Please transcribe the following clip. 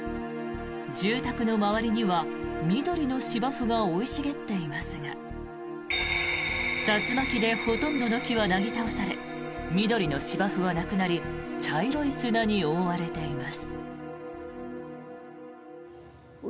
住宅の周りには緑の芝生が生い茂っていますが竜巻でほとんどの木はなぎ倒され緑の芝生はなくなり茶色い砂に覆われています。